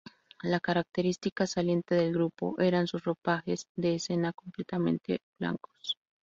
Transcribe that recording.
La característica saliente del grupo eran sus ropajes de escena completamente blancos.